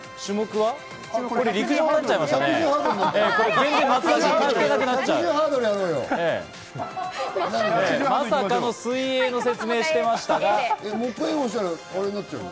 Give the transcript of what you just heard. これ、陸上になっちゃいましまさかの水泳の説明をしていましたが。